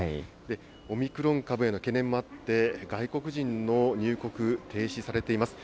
オミクロン株への懸念もあって、外国人の入国、停止されています。